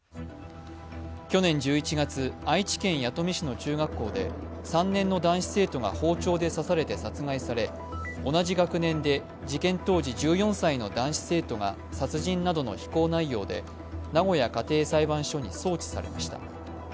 去年１１月、愛知県弥富市の中学校で３年の男子生徒が包丁で刺されて殺害され同じ学年で、事件当時１４歳の男子生徒が殺人などの非行内容で名古屋家庭裁判所に送致されました。